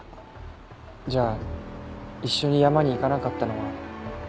じゃあ一緒に山に行かなかったのは。